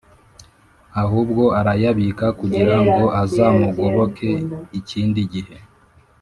ahubwo arayabika kugira ngo azamugoboke ikindi gihe.